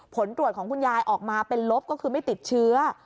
ผลตรวจของคุณยายออกมาเป็นลบก็คือไม่ติดเชื้อ